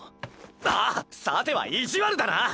あっさては意地悪だな！